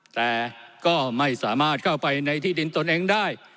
แต่ก็ไม่สามารถเข้าไปในที่ดินตนเองได้